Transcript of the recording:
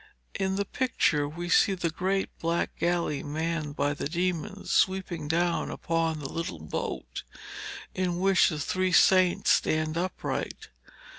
In the picture we see the great black galley manned by the demons, sweeping down upon the little boat, in which the three saints stand upright.